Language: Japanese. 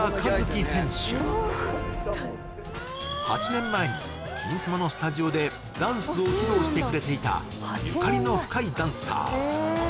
８年前に金スマのスタジオでダンスを披露してくれていたゆかりの深いダンサー